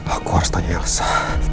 aku harus tanya elsa